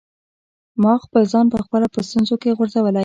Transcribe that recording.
ما خپل ځان په خپله په ستونزو کي غورځولی.